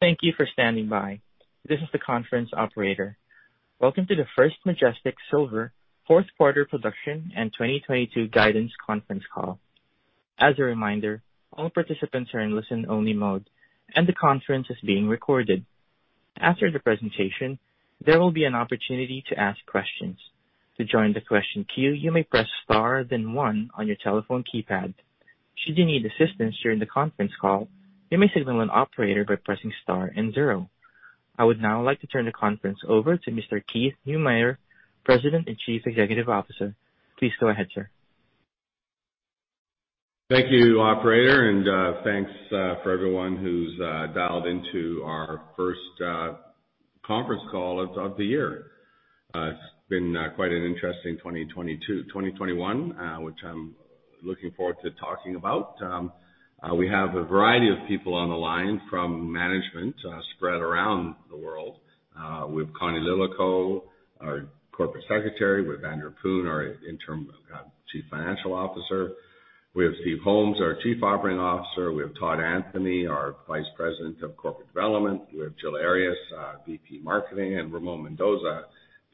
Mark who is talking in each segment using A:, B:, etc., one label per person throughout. A: Thank you for standing by. This is the conference operator. Welcome to the First Majestic Silver Fourth Quarter Production And 2022 Guidance Conference Call. As a reminder, all participants are in listen-only mode, and the conference is being recorded. After the presentation, there will be an opportunity to ask questions. To join the question queue, you may press star then one on your telephone keypad. Should you need assistance during the conference call, you may signal an operator by pressing star and zero. I would now like to turn the conference over to Mr. Keith Neumeyer, President and Chief Executive Officer. Please go ahead, sir.
B: Thank you, operator, and thanks for everyone who's dialed into our first conference call of the year. It's been quite an interesting 2021, which I'm looking forward to talking about. We have a variety of people on the line from management spread around the world. We have Connie Lillico, our Corporate Secretary. We have Andrew Poon, our Interim Chief Financial Officer. We have Steve Holmes, our Chief Operating Officer. We have Todd Anthony, our Vice President of Corporate Development. We have Jill Arias, VP Marketing, and Ramon Mendoza,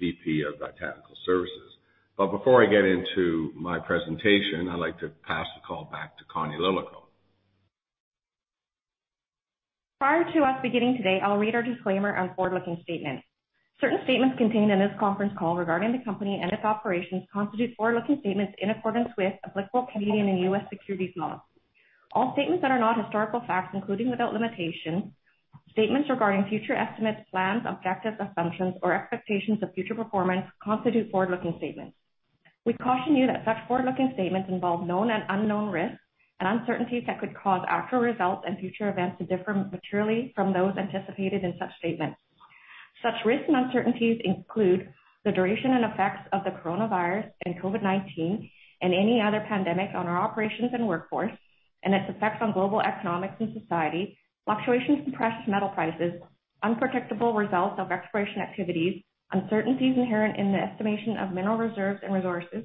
B: VP of Technical Services. Before I get into my presentation, I'd like to pass the call back to Connie Lillico.
C: Prior to us beginning today, I'll read our disclaimer on forward-looking statements. Certain statements contained in this conference call regarding the company and its operations constitute forward-looking statements in accordance with applicable Canadian and U.S. securities laws. All statements that are not historical facts, including without limitation, statements regarding future estimates, plans, objectives, assumptions or expectations of future performance constitute forward-looking statements. We caution you that such forward-looking statements involve known and unknown risks and uncertainties that could cause actual results and future events to differ materially from those anticipated in such statements. Such risks and uncertainties include the duration and effects of the coronavirus and COVID-19 and any other pandemic on our operations and workforce and its effects on global economics and society, fluctuations in precious metal prices, unpredictable results of exploration activities, uncertainties inherent in the estimation of mineral reserves and resources,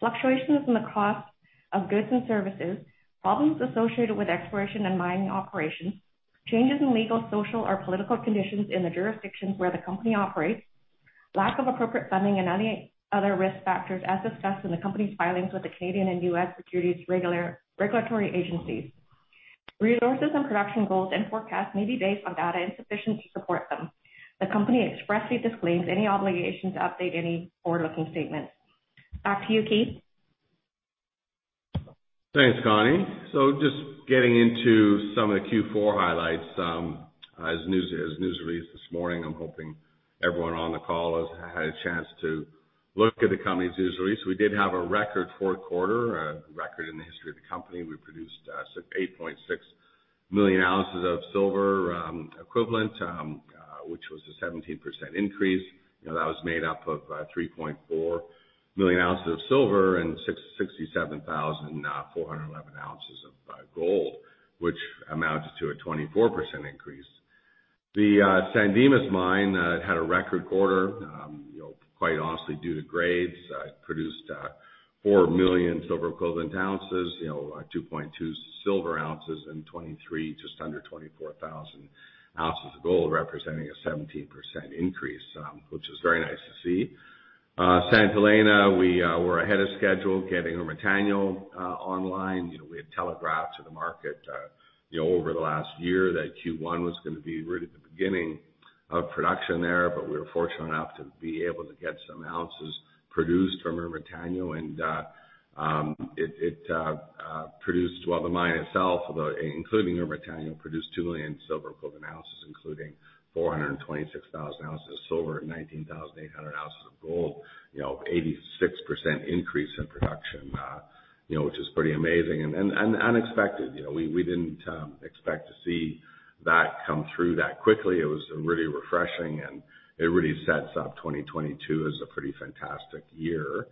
C: fluctuations in the cost of goods and services, problems associated with exploration and mining operations, changes in legal, social or political conditions in the jurisdictions where the company operates, lack of appropriate funding and any other risk factors as discussed in the company's filings with the Canadian and U.S. securities regulatory agencies. Resources and production goals and forecasts may be based on data insufficient to support them. The company expressly disclaims any obligation to update any forward-looking statements. Back to you, Keith.
B: Thanks, Connie. Just getting into some of the Q4 highlights, as news released this morning, I'm hoping everyone on the call has had a chance to look at the company's news release. We did have a record fourth quarter, a record in the history of the company. We produced 8.6 million ounces of silver equivalent, which was a 17% increase. You know, that was made up of 3.4 million ounces of silver and 667,411 ounces of gold, which amounted to a 24% increase. The San Dimas mine had a record quarter, you know, quite honestly due to grades. It produced 4 million silver equivalent ounces, you know, 2.2 silver ounces and 23, just under 24,000 ounces of gold, representing a 17% increase, which is very nice to see. Santa Elena, we were ahead of schedule getting Ermitaño online. You know, we had telegraphed to the market, you know, over the last year that Q1 was gonna be really the beginning of production there, but we were fortunate enough to be able to get some ounces produced from Ermitaño. It produced, well, the mine itself including Ermitaño produced 2 million silver equivalent ounces, including 426,000 ounces of silver and 19,800 ounces of gold. You know, 86% increase in production, you know, which is pretty amazing and unexpected. You know, we didn't expect to see that come through that quickly. It was really refreshing, and it really sets up 2022 as a pretty fantastic year.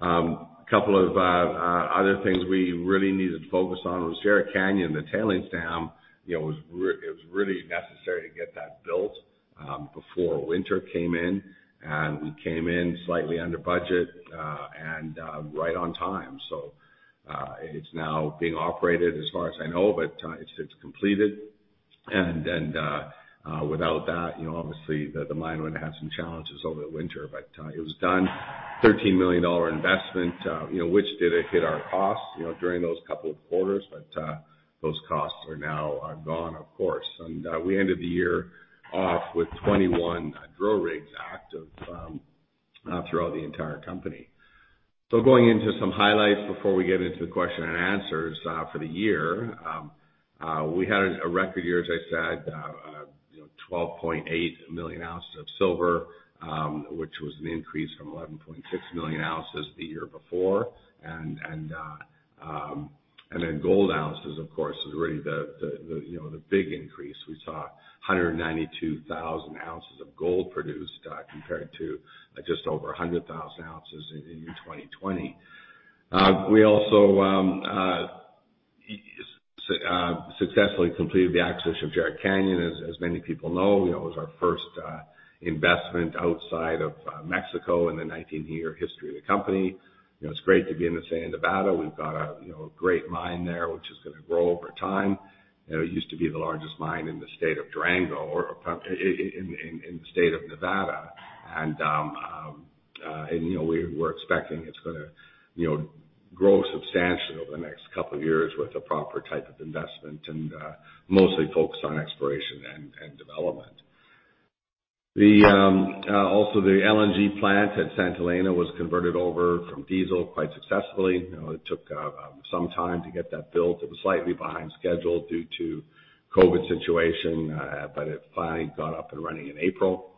B: A couple of other things we really needed to focus on was Jerritt Canyon, the tailings dam. You know, it was really necessary to get that built before winter came in, and we came in slightly under budget and right on time. It's now being operated as far as I know, but it's completed. Without that, you know, obviously the mine would have some challenges over the winter, but it was done. $13 million investment, you know, which did hit our costs, you know, during those couple of quarters. Those costs are now gone, of course. We ended the year off with 21 drill rigs active throughout the entire company. Going into some highlights before we get into the question and answers for the year. We had a record year, as I said, you know, 12.8 million ounces of silver, which was an increase from 11.6 million ounces the year before. And then gold ounces, of course, is really the you know, the big increase. We saw 192,000 ounces of gold produced, compared to just over 100,000 ounces in 2020. We also successfully completed the acquisition of Jerritt Canyon, as many people know. You know, it was our first investment outside of Mexico in the 19-year history of the company. You know, it's great to be in the state of Nevada. We've got, you know, a great mine there, which is gonna grow over time. You know, it used to be the largest mine in the state of Durango or in the state of Nevada. You know, we're expecting it's gonna, you know, grow substantially over the next couple of years with the proper type of investment and mostly focused on exploration and development. Also, the LNG plant at Santa Elena was converted over from diesel quite successfully. You know, it took some time to get that built. It was slightly behind schedule due to COVID-19 situation, but it finally got up and running in April.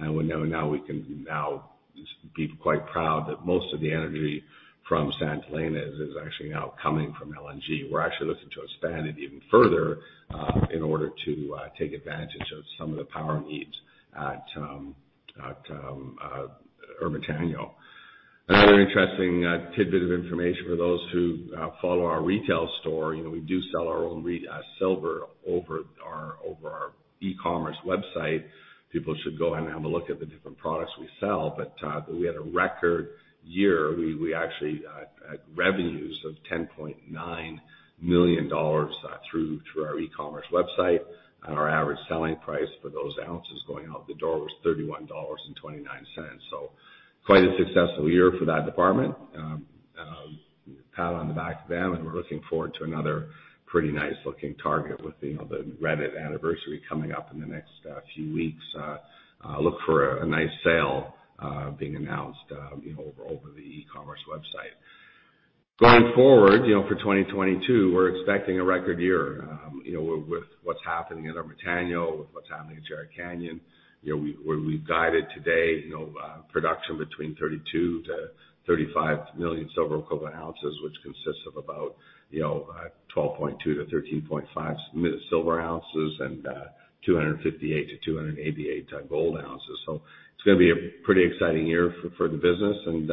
B: We know now we can now just be quite proud that most of the energy from Santa Elena is actually now coming from LNG. We're actually looking to expand it even further, in order to take advantage of some of the power needs at Ermitaño. Another interesting tidbit of information for those who follow our retail store. You know, we do sell our own silver over our e-commerce website. People should go and have a look at the different products we sell. We had a record year. We actually revenues of $10.9 million through our e-commerce website. Our average selling price for those ounces going out the door was $31.29. Quite a successful year for that department. Pat on the back to them, and we're looking forward to another pretty nice looking target with, you know, the Reddit anniversary coming up in the next few weeks. Look for a nice sale being announced, you know, over the e-commerce website. Going forward, you know, for 2022, we're expecting a record year. With what's happening at Ermitaño, with what's happening at Jerritt Canyon. You know, we've guided today, you know, production between 32-35 million silver equivalent ounces, which consists of about, you know, 12.2-13.5 million silver ounces and 258-288 thousand gold ounces. So it's gonna be a pretty exciting year for the business and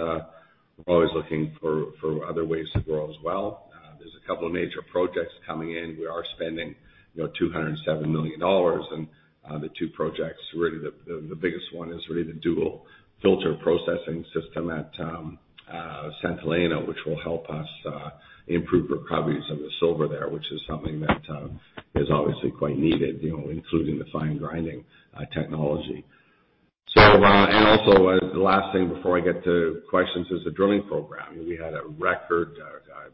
B: we're always looking for other ways to grow as well. There's a couple of major projects coming in. We are spending $207 million. The two projects, really, the biggest one is really the dual circuit processing system at Santa Elena, which will help us improve recoveries of the silver there, which is something that is obviously quite needed, you know, including the fine grinding technology. The last thing before I get to questions is the drilling program. We had a record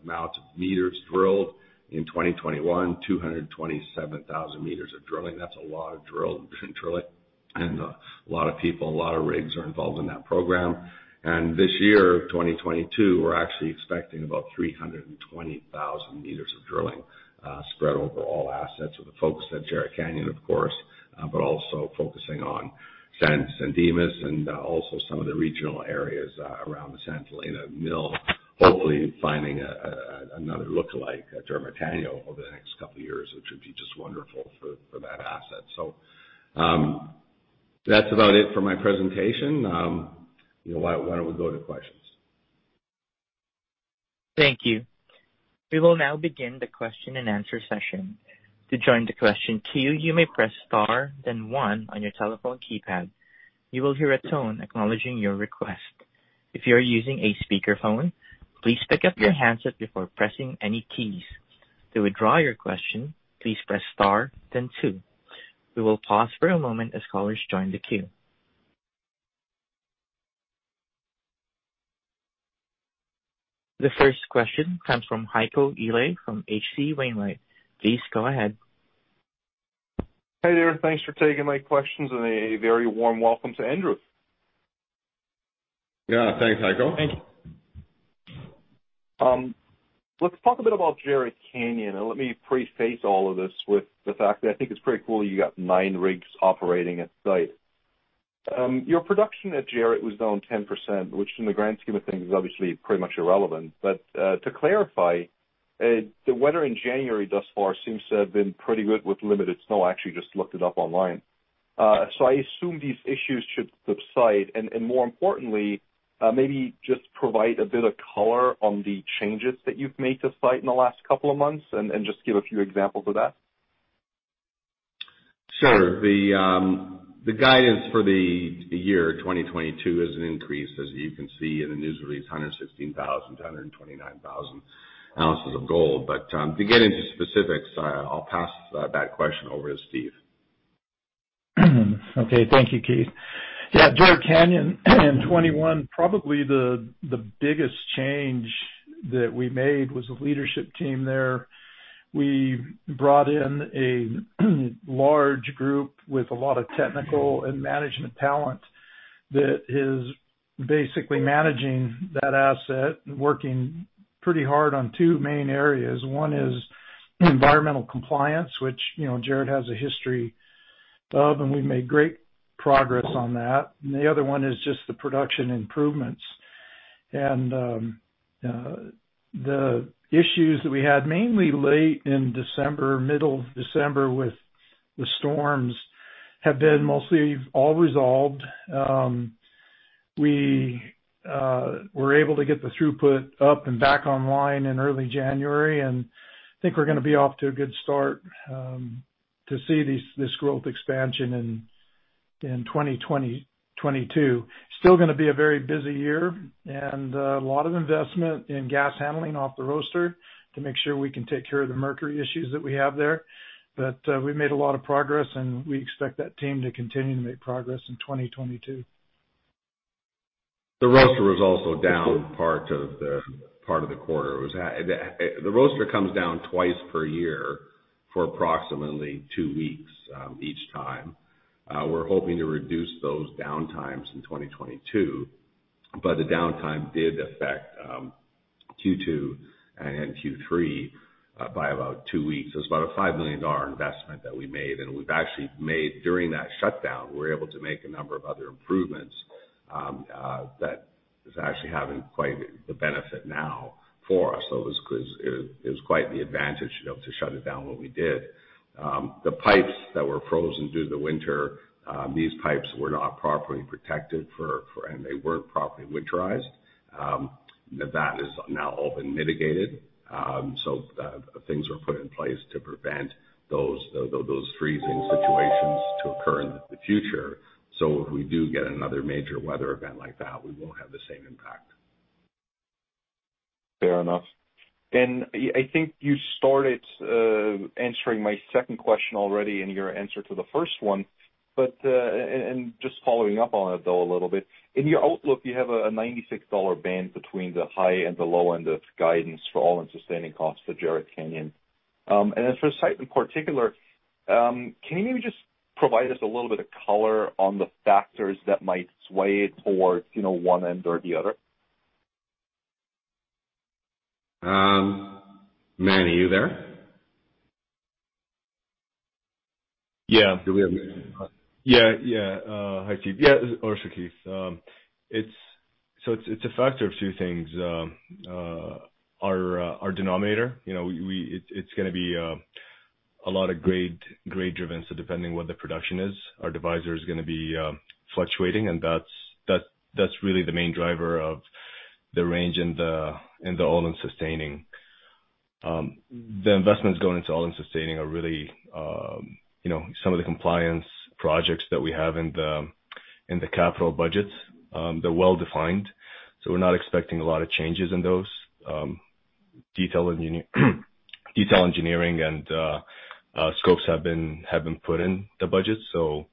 B: amount of meters drilled in 2021, 227,000 meters of drilling. That's a lot of drilling. A lot of people, a lot of rigs are involved in that program. This year, 2022, we're actually expecting about 320,000 meters of drilling, spread over all assets with a focus at Jerritt Canyon, of course, but also focusing on San Dimas and also some of the regional areas around the Santa Elena mill. Hopefully, finding another lookalike at Ermitaño over the next couple of years, which would be just wonderful for that asset. That's about it for my presentation. You know, why don't we go to questions?
A: Thank you. We will now begin the question and answer session. To join the question queue, you may press star then one on your telephone keypad. You will hear a tone acknowledging your request. If you are using a speakerphone, please pick up your handset before pressing any keys. To withdraw your question, please press star then two. We will pause for a moment as callers join the queue. The first question comes from Heiko Ihle from H.C. Wainwright. Please go ahead.
D: Hi there. Thanks for taking my questions and a very warm welcome to Andrew.
B: Yeah. Thanks, Heiko.
D: Thank you. Let's talk a bit about Jerritt Canyon, and let me preface all of this with the fact that I think it's pretty cool you got nine rigs operating at site. Your production at Jerritt was down 10%, which in the grand scheme of things is obviously pretty much irrelevant. To clarify, the weather in January thus far seems to have been pretty good with limited snow. I actually just looked it up online. I assume these issues should subside. More importantly, maybe just provide a bit of color on the changes that you've made to site in the last couple of months, and just give a few examples of that.
B: Sure. The guidance for the year 2022 is an increase, as you can see in the news release, 116,000-129,000 ounces of gold. To get into specifics, I'll pass that question over to Steve.
E: Okay. Thank you, Keith. Yeah, Jerritt Canyon 2021, probably the biggest change that we made was the leadership team there. We brought in a large group with a lot of technical and management talent that is basically managing that asset, working pretty hard on two main areas. One is environmental compliance, which, you know, Jerritt has a history of, and we've made great progress on that. The other one is just the production improvements. The issues that we had mainly late in December, middle of December with the storms have been mostly all resolved. We were able to get the throughput up and back online in early January, and I think we're gonna be off to a good start to see this growth expansion in 2022. Still gonna be a very busy year and a lot of investment in gas handling off the roaster to make sure we can take care of the mercury issues that we have there. We made a lot of progress, and we expect that team to continue to make progress in 2022.
B: The roaster was also down part of the quarter. The roaster comes down twice per year for approximately two weeks each time. We're hoping to reduce those downtimes in 2022, but the downtime did affect Q2 and Q3 by about two weeks. It was about a $5 million investment that we made. We've actually made during that shutdown, we were able to make a number of other improvements that is actually having quite the benefit now for us. It was quite the advantage, you know, to shut it down when we did. The pipes that were frozen due to the winter, these pipes were not properly protected. They weren't properly winterized. That is now all been mitigated. Things were put in place to prevent those freezing situations from occurring in the future. If we do get another major weather event like that, we won't have the same impact.
D: Fair enough. I think you started answering my second question already in your answer to the first one. Just following up on that, though, a little bit. In your outlook, you have a $96 band between the high and the low end of guidance for all-in sustaining costs for Jerritt Canyon. As for SSX in particular, can you maybe just provide us a little bit of color on the factors that might sway it towards one end or the other?
B: Manny, are you there?
F: Yeah.
B: Do we have?
F: Yeah, yeah. Hi, Keith. Yeah. It's a factor of two things. Our denominator. You know, it's gonna be a lot of grade driven, so depending what the production is. Our divisor is gonna be fluctuating, and that's really the main driver of the range in the all-in sustaining. The investments going into all-in sustaining are really you know, some of the compliance projects that we have in the capital budgets. They're well-defined, so we're not expecting a lot of changes in those. Detail engineering and scopes have been put in the budget, so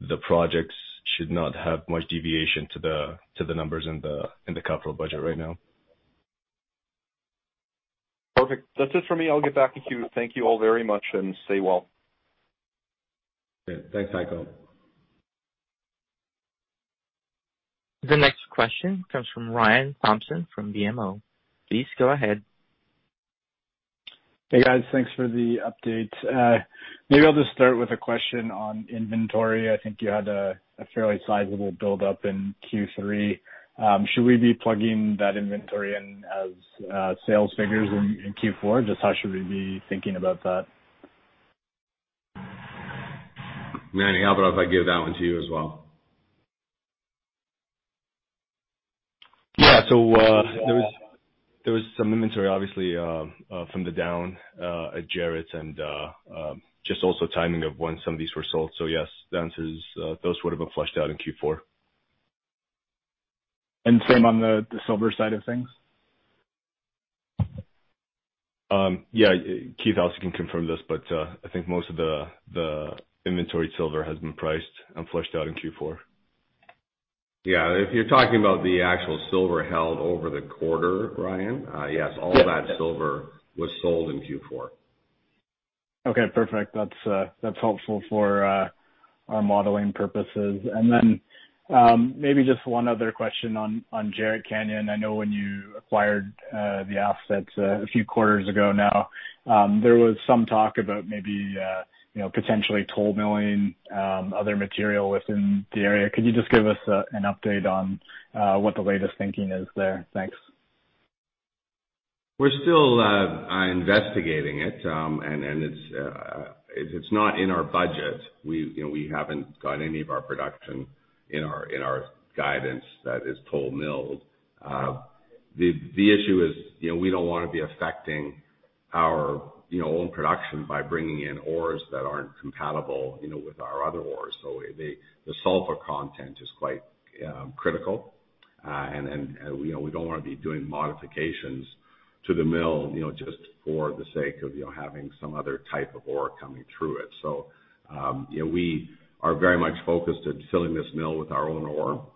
F: the projects should not have much deviation to the numbers in the capital budget right now.
D: Perfect. That's it for me. I'll get back to you. Thank you all very much, and stay well.
B: Okay. Thanks, Heiko.
A: The next question comes from Ryan Thompson from BMO. Please go ahead.
G: Hey, guys. Thanks for the update. Maybe I'll just start with a question on inventory. I think you had a fairly sizable buildup in Q3. Should we be plugging that inventory in as sales figures in Q4? Just how should we be thinking about that?
B: Manny, how about if I give that one to you as well?
F: Yeah. There was some inventory obviously from the downtime at Jerritt and just also timing of when some of these were sold. Yes, the answer is those would've been flushed out in Q4.
G: Same on the silver side of things?
F: Yeah. Keith also can confirm this, but I think most of the inventoried silver has been priced and flushed out in Q4.
B: Yeah. If you're talking about the actual silver held over the quarter, Ryan, yes, all of that silver was sold in Q4.
G: Okay. Perfect. That's helpful for our modeling purposes. Maybe just one other question on Jerritt Canyon. I know when you acquired the assets a few quarters ago now, there was some talk about maybe you know, potentially toll milling other material within the area. Could you just give us an update on what the latest thinking is there? Thanks.
B: We're still investigating it. It's not in our budget. We, you know, we haven't got any of our production in our guidance that is toll milled. The issue is, you know, we don't wanna be affecting our, you know, own production by bringing in ores that aren't compatible, you know, with our other ores. The sulfur content is quite critical. You know, we don't wanna be doing modifications to the mill, you know, just for the sake of, you know, having some other type of ore coming through it. You know, we are very much focused on filling this mill with our own ore.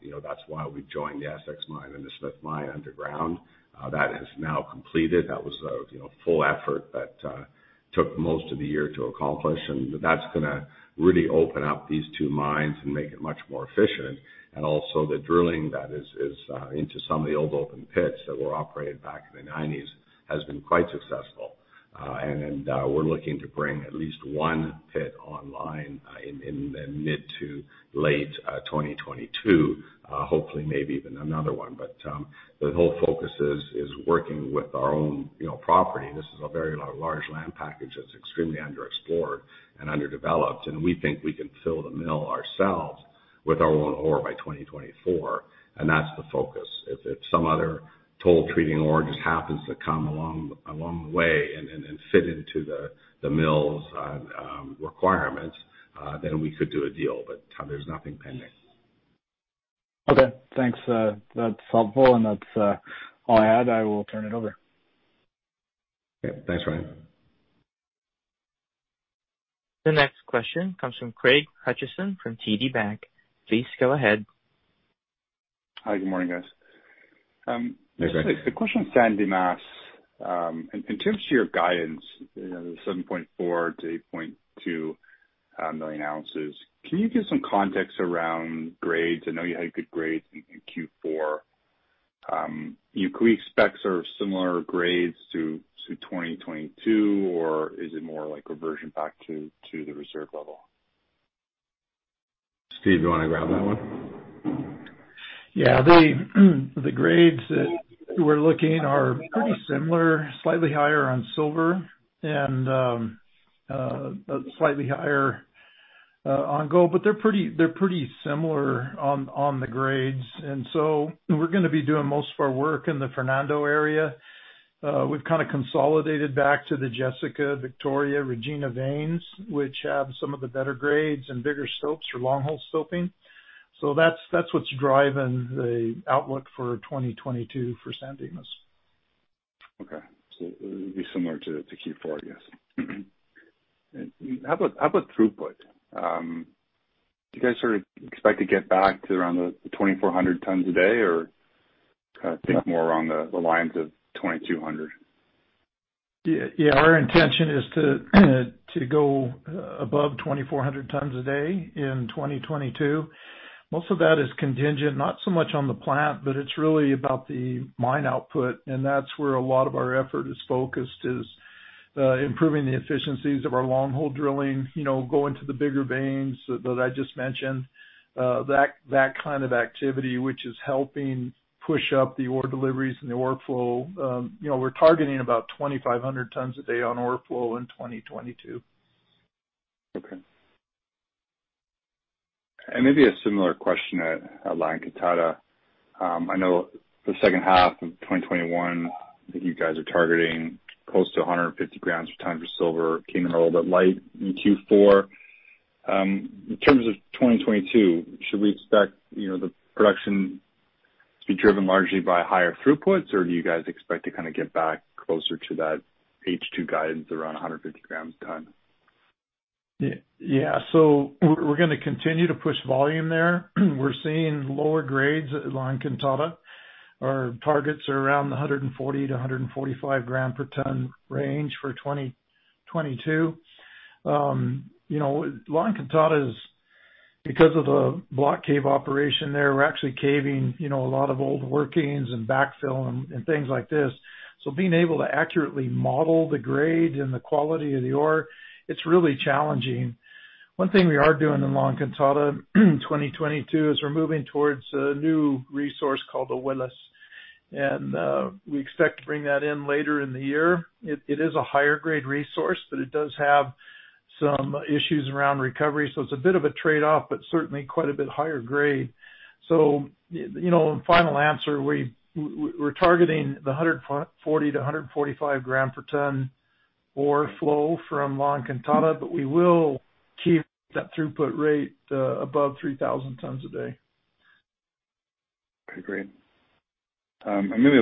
B: You know, that's why we joined the SSX mine and the Smith Mine underground. That is now completed. That was, you know, full effort that took most of the year to accomplish. That's gonna really open up these two mines and make it much more efficient. Also, the drilling that is into some of the old open pits that were operated back in the 1990s has been quite successful. We're looking to bring at least one pit online in mid to late 2022. Hopefully, maybe even another one. The whole focus is working with our own, you know, property. This is a very large land package that's extremely underexplored and underdeveloped, and we think we can fill the mill ourselves with our own ore by 2024, and that's the focus. If some other toll treating ore just happens to come along the way and fit into the mill's requirements, then we could do a deal, but there's nothing pending.
G: Okay. Thanks. That's helpful, and that's all I had. I will turn it over.
B: Okay. Thanks, Ryan.
A: The next question comes from Craig Hutchison from TD Securities. Please go ahead.
H: Hi, good morning, guys.
B: Hey, Craig.
H: A question on San Dimas. In terms of your guidance, you know, the 7.4-8.2 million ounces, can you give some context around grades? I know you had good grades in Q4. Can we expect sort of similar grades to 2022, or is it more like a reversion back to the reserve level?
B: Steve, do you wanna grab that one?
E: Yeah. The grades that we're looking are pretty similar, slightly higher on silver and slightly higher on gold, but they're pretty similar on the grades. We're gonna be doing most of our work in the Fernando area. We've kinda consolidated back to the Jessica, Victoria, Regina veins, which have some of the better grades and bigger slopes for longhole stoping. That's what's driving the outlook for 2022 for San Dimas.
H: Okay. It would be similar to Q4, I guess. How about throughput? Do you guys sort of expect to get back to around 2,400 tons a day, or kinda think more along the lines of 2,200?
E: Our intention is to go above 2,400 tons a day in 2022. Most of that is contingent, not so much on the plant, but it's really about the mine output, and that's where a lot of our effort is focused, improving the efficiencies of our longhole drilling, you know, going to the bigger veins that I just mentioned. That kind of activity, which is helping push up the ore deliveries and the ore flow. You know, we're targeting about 2,500 tons a day on ore flow in 2022.
H: Okay. Maybe a similar question at La Encantada. I know the second half of 2021, I think you guys are targeting close to 150 grams per ton for silver. Came in a little bit light in Q4. In terms of 2022, should we expect, you know, the production to be driven largely by higher throughputs, or do you guys expect to kinda get back closer to that H2 guidance around 150 grams per ton?
E: We're gonna continue to push volume there. We're seeing lower grades at La Encantada. Our targets are around the 140-145 gram per ton range for 2022. You know, La Encantada is, because of the block cave operation there, we're actually caving, you know, a lot of old workings and backfill and things like this. Being able to accurately model the grade and the quality of the ore, it's really challenging. One thing we are doing in La Encantada in 2022 is we're moving towards a new resource called the Willis. We expect to bring that in later in the year. It is a higher grade resource, but it does have some issues around recovery, so it's a bit of a trade-off, but certainly quite a bit higher grade. You know, final answer, we're targeting the 140 to 145 gram per ton ore flow from La Encantada, but we will keep that throughput rate above 3,000 tons a day.
H: Okay, great. And maybe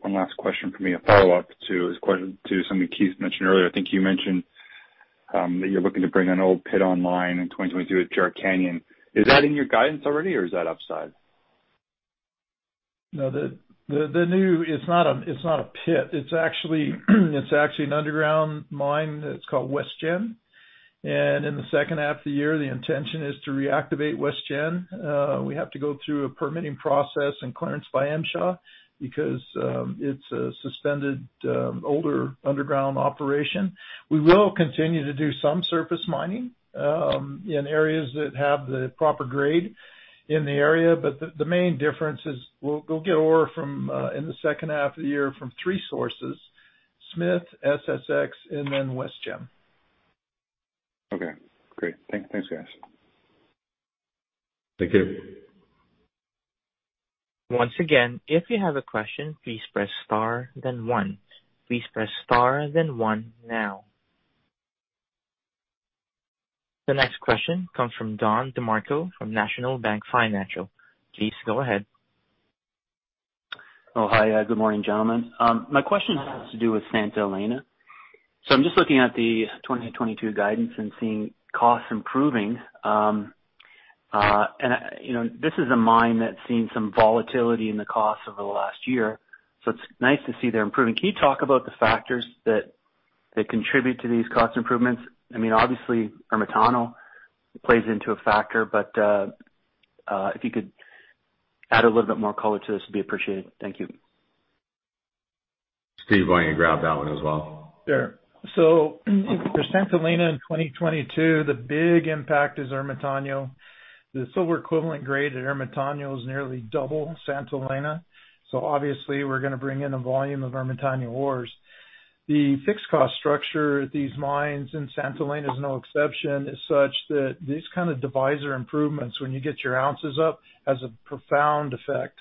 H: one last question from me, a follow-up to this question to something Keith mentioned earlier. I think you mentioned that you're looking to bring an old pit online in 2022 at Jerritt Canyon. Is that in your guidance already, or is that upside?
E: No, it's not a pit. It's actually an underground mine. It's called West Jim. In the second half of the year, the intention is to reactivate West Jim. We have to go through a permitting process and clearance by MSHA because it's a suspended older underground operation. We will continue to do some surface mining in areas that have the proper grade in the area. The main difference is we'll get ore from in the second half of the year from three sources, Smith, SSX, and then West Jim.
H: Okay, great. Thanks, guys.
B: Thank you.
A: Once again, if you have a question, please press star then one. Please press star then one now. The next question comes from Don DeMarco from National Bank Financial. Please go ahead.
I: Oh, hi. Good morning, gentlemen. My question has to do with Santa Elena. I'm just looking at the 2022 guidance and seeing costs improving. You know, this is a mine that's seen some volatility in the costs over the last year, so it's nice to see they're improving. Can you talk about the factors that contribute to these cost improvements? I mean, obviously Ermitaño plays into a factor, but if you could add a little bit more color to this, it'd be appreciated. Thank you.
B: Steve, why don't you grab that one as well?
E: Sure. For Santa Elena in 2022, the big impact is Ermitaño. The silver equivalent grade at Ermitaño is nearly double Santa Elena. Obviously, we're gonna bring in a volume of Ermitaño ores. The fixed cost structure at these mines, and Santa Elena is no exception, is such that these kind of divisor improvements, when you get your ounces up, has a profound effect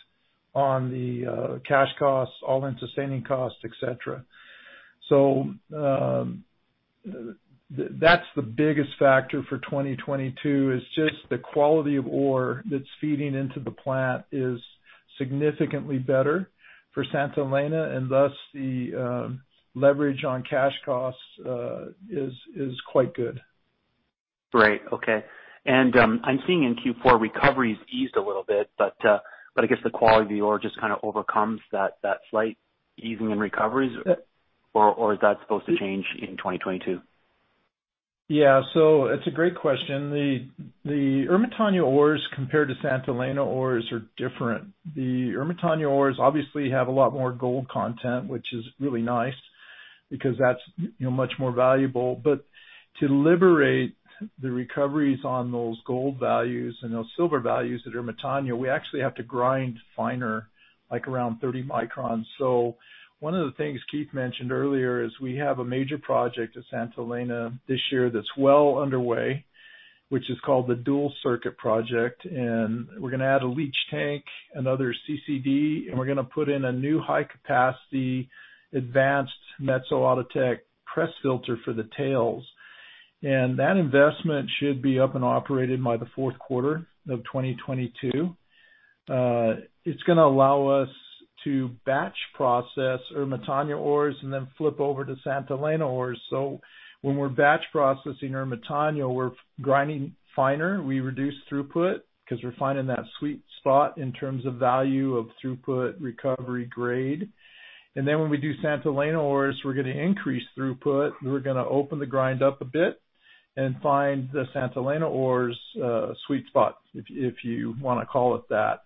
E: on the cash costs, all-in sustaining costs, et cetera. That's the biggest factor for 2022, is just the quality of ore that's feeding into the plant is significantly better for Santa Elena, and thus the leverage on cash costs is quite good.
I: Great. Okay. I'm seeing in Q4, recoveries eased a little bit. I guess the quality of the ore just kinda overcomes that slight easing in recoveries.
E: Yeah.
I: Is that supposed to change in 2022?
E: Yeah. It's a great question. The Ermitaño ores compared to Santa Elena ores are different. The Ermitaño ores obviously have a lot more gold content, which is really nice because that's, you know, much more valuable. But to liberate the recoveries on those gold values and those silver values at Ermitaño, we actually have to grind finer, like around 30 microns. One of the things Keith mentioned earlier is we have a major project at Santa Elena this year that's well underway, which is called the Dual Circuit Project. We're gonna add a leach tank, another CCD, and we're gonna put in a new high capacity advanced Metso Outotec press filter for the tails. That investment should be up and operated by the fourth quarter of 2022. It's gonna allow us to batch process Ermitaño ores and then flip over to Santa Elena ores. When we're batch processing Ermitaño, we're grinding finer. We reduce throughput 'cause we're finding that sweet spot in terms of value of throughput, recovery grade. When we do Santa Elena ores, we're gonna increase throughput. We're gonna open the grind up a bit and find the Santa Elena ores' sweet spot, if you wanna call it that.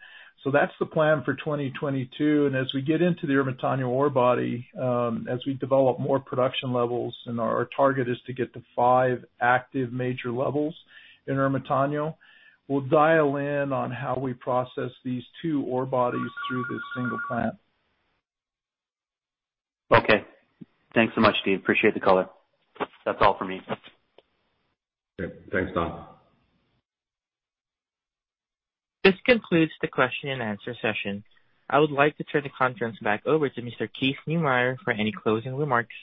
E: That's the plan for 2022. As we get into the Ermitaño ore body, as we develop more production levels, and our target is to get to five active major levels in Ermitaño, we'll dial in on how we process these two ore bodies through this single plant.
I: Okay. Thanks so much, Steve. Appreciate the color. That's all for me.
B: Okay. Thanks, Tom.
A: This concludes the question and answer session. I would like to turn the conference back over to Mr. Keith Neumeyer for any closing remarks.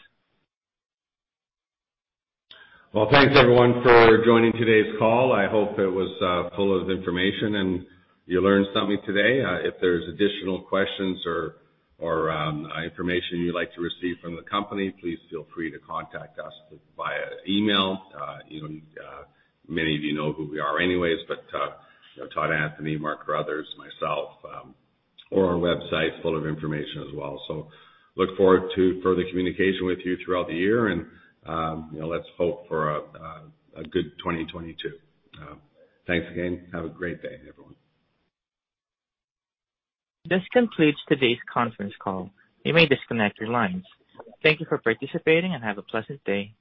B: Well, thanks, everyone, for joining today's call. I hope it was full of information and you learned something today. If there's additional questions or information you'd like to receive from the company, please feel free to contact us via email. You know, many of you know who we are anyways, but you know, Todd Anthony, Mark Carruthers, myself, or our website's full of information as well. Look forward to further communication with you throughout the year and you know, let's hope for a good 2022. Thanks again. Have a great day, everyone.
A: This concludes today's conference call. You may disconnect your lines. Thank you for participating and have a pleasant day.